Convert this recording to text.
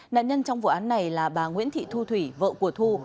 nạn nhân trong vụ án này là bà nguyễn thị thu thủy vợ của thu